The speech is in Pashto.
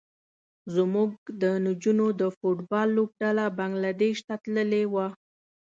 زموږ د نجونو د فټ بال لوبډله بنګلادیش ته تللې وه.